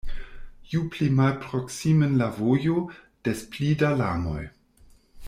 Ju pli malproksimen la vojo, des pli da larmoj.